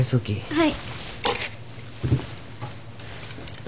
はい。